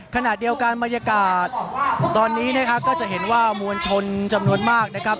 ขณะเดียวกันบรรยากาศตอนนี้นะครับก็จะเห็นว่ามวลชนจำนวนมากนะครับ